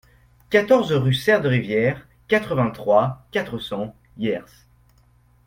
quatorze rue Sere de Rivière, quatre-vingt-trois, quatre cents, Hyères